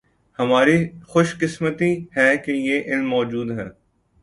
ہماری خوش قسمتی ہے کہ یہ علم موجود ہے